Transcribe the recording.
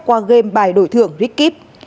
qua game bài đổi thường rikip